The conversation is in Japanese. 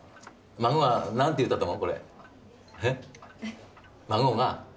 孫が何て言ったと思う？